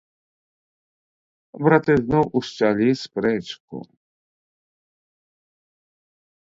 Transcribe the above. Браты зноў усчалі спрэчку.